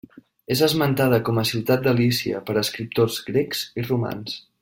És esmentada com a ciutat de Lícia per escriptors grecs i romans.